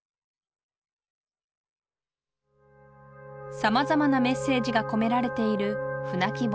さまざまなメッセージが込められている「舟木本」。